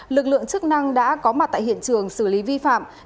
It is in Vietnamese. lực lượng chức năng đã có mặt tại hiện trường xử lý vi phạm